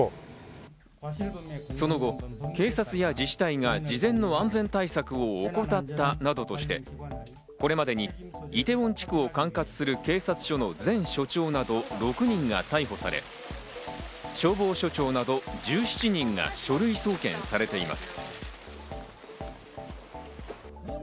その後、警察や自治体が事前の安全対策を怠ったなどとして、これまでにイテウォン地区を管轄する警察署の前署長など６人が逮捕され、消防署長など１７人が書類送検されています。